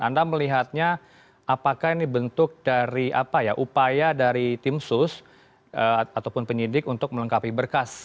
anda melihatnya apakah ini bentuk dari upaya dari tim sus ataupun penyidik untuk melengkapi berkas